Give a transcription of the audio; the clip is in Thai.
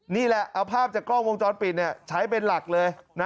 นี่แหละเอาภาพจากกล้องวงจรปิดใช้เป็นหลักเลย